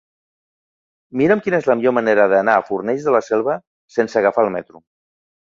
Mira'm quina és la millor manera d'anar a Fornells de la Selva sense agafar el metro.